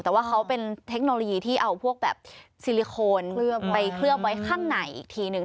แต่ว่าเขาเป็นเทคโนโลยีที่เอาพวกแบบซิลิโคนไปเคลือบไว้ข้างในอีกทีหนึ่ง